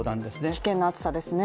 危険な暑さですね。